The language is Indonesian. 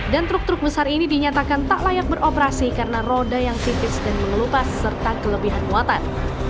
truk truk besar ini dinyatakan tak layak beroperasi karena roda yang tipis dan mengelupas serta kelebihan muatan